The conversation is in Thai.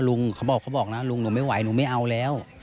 เขาบอกเขาบอกนะลุงหนูไม่ไหวหนูไม่เอาแล้ว